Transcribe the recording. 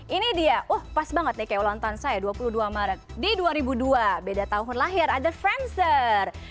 ini dia wah pas banget nih kayak ulang tahun saya dua puluh dua maret di dua ribu dua beda tahun lahir ada friencer